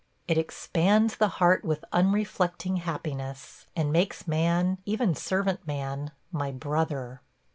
It expands the heart with unreflecting happiness, and makes man, even servant man, my brother.